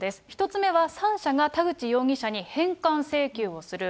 １つ目は３社が田口容疑者に返還請求をする。